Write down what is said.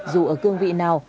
dù ở cương vị nào